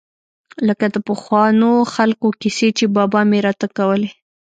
لکه د پخوانو خلقو کيسې چې بابا مې راته کولې.